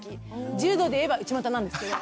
柔道で言えば内股なんですけど。